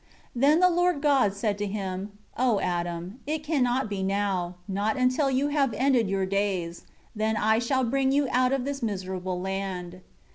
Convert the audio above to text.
2 Then the Lord God said to him, "O Adam, it cannot be now, not until you have ended your days. Then shall I bring you out of this miserable land."